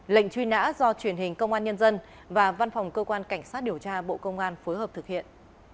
lệnh truy nã do truyền hình công an nhân dân và văn phòng cơ quan cảnh sát điều tra bộ công an phối hợp thực hiện